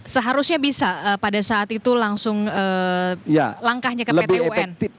seharusnya bisa pada saat itu langsung langkahnya ke pt un